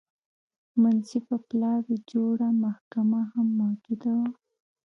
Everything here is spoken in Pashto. منصفه پلاوي جوړه محکمه هم موجوده وه.